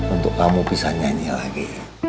untuk kamu bisa nyanyi lagi